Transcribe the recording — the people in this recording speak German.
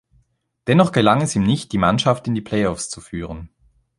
Dennoch gelang es ihm nicht die Mannschaft in die Playoffs zu führen.